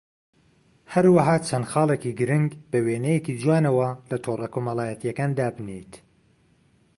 هەروەها چەند خاڵێکی گرنگ بە وێنەیەکی جوانەوە لە تۆڕە کۆمەڵایەتییەکان دابنێیت